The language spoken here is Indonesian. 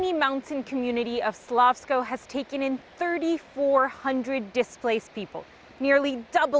kelabaran gunung kecil ini di slavsko telah mengambil tiga ribu empat ratus orang yang terlalu terburu buru